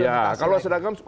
ya kalau seragam